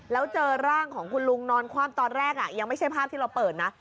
แล้วเจอร่างของคุณลุงนอนคว่ำตอนแรกยังไม่ใช่ภาพที่เราเปิดนะ